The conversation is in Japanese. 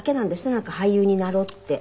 なんか俳優になろうって。